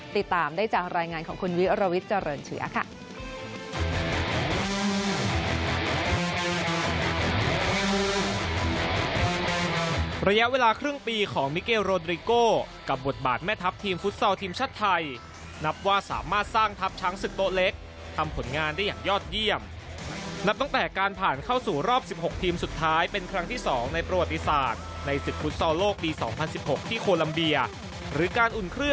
ติดตามได้จากรายงานของคุณวิรวิทย์เจริญเชื้อค่ะ